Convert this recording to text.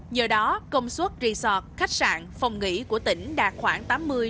nhờ đó công suất resort khách sạn phòng nghỉ của tỉnh đạt khoảng tám mươi chín mươi năm